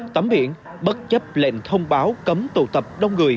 tắm biển bất chấp lệnh thông báo cấm tụ tập đông người